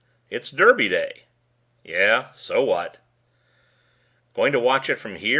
"It's Derby Day." "Yeah. So what?" "Going to watch it from here?"